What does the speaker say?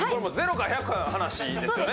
ゼロか１００かの話ですよね。